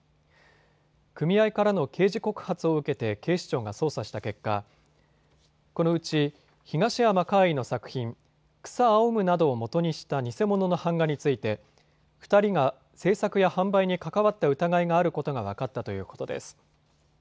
組合からの刑事告発を受けて警視庁が捜査した結果、このうち東山魁夷の作品、草青むなどをもとにした偽物の版画について２人が制作や販売に関わった疑いがあることが分かったということです。